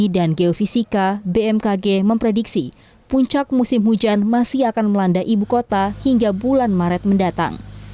dan geofisika bmkg memprediksi puncak musim hujan masih akan melanda ibu kota hingga bulan maret mendatang